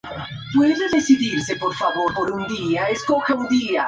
Recuerdan a las formas orgánicas de Antoni Gaudí y a las construcciones del Jugendstil.